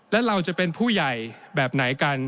และเราจะเป็นผู้ใหญ่แบบไหนกัน